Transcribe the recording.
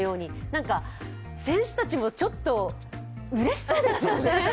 選手たちもちょっとうれしそうですよね。